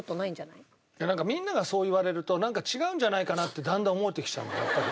なんかみんなにそう言われるとなんか違うんじゃないかなってだんだん思えてきちゃうのやっぱり。